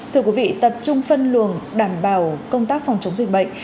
thưa quý vị tập trung phân luồng đảm bảo công tác phòng chống dịch bệnh